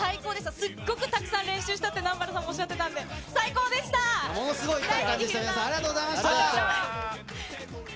すっごくたくさん練習したって南原さんもおっしゃってたんで、ありがとうございました。